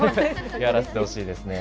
やらせてほしいですね。